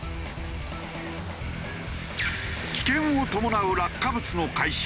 危険を伴う落下物の回収。